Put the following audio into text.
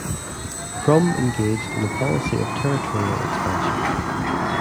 Krum engaged in a policy of territorial expansion.